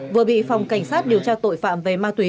vừa bị phòng cảnh sát điều tra tội phạm về ma túy